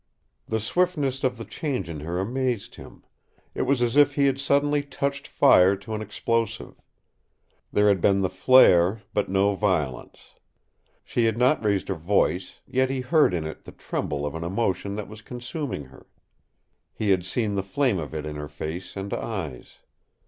The swiftness of the change in her amazed him. It was as if he had suddenly touched fire to an explosive. There had been the flare, but no violence. She had not raised her voice, yet he heard in it the tremble of an emotion that was consuming her. He had seen the flame of it in her face and eyes.